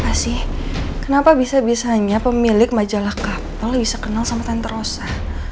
kenapa sih kenapa bisa bisanya pemilik majalah kapel bisa kenal sama tante rosa